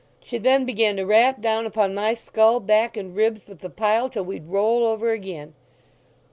She then began to rap down upon my skull, back, and ribs with the pyle till we'd roll over again.